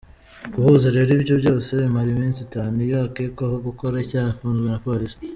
Guhuza rero ibyo byose bimara iminsi itanu iyo ukekwaho gukora icyaha afunzwe na Polisi.